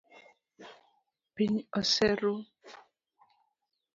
Piny oseru.